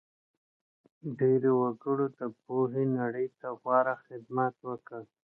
ډېرو وګړو د پوهې نړۍ ته غوره خدمت وکړ.